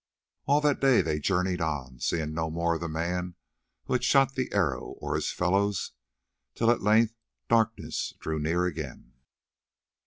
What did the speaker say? All that day they journeyed on, seeing no more of the man who had shot the arrow, or his fellows, till at length darkness drew near again.